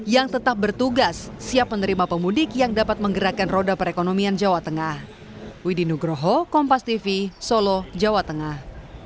yang tetap bertugas siap menerima pemudik yang dapat menggerakkan roda perekonomian jawa tengah